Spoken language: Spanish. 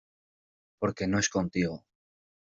porque no es contigo.